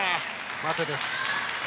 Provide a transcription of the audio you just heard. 待てです。